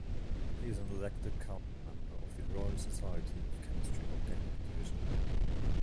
He is an elected council member of the Royal Society of Chemistry organic division.